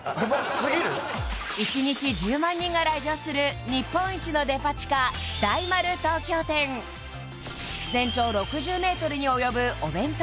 １日１０万人が来場する日本一のデパ地下大丸東京店全長６０ｍにおよぶお弁当